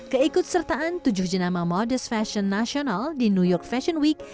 keikut sertaan tujuh jenama modest fashion nasional di new york fashion week